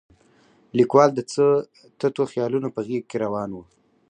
لیکوال د څه تتو خیالونه په غېږ کې راون و.